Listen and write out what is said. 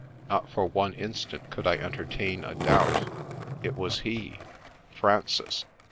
— not for one instant could I entertain a doubt — it was He I Francis